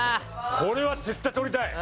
これは絶対取りたい。